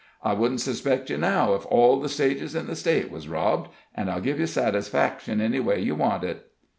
I wouldn't suspect you now if all the stages in the State was robbed; an' I'll give you satisfaction any way you want it."